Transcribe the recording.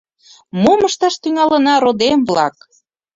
Мом ышташ тӱҥалына, родем-влак!